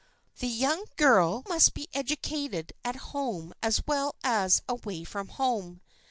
The young girl must be educated at home as well as away from home.